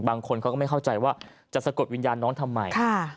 บางคนเขาก็ไม่เข้าใจว่าจะสะกดวิญญาณน้องทำไม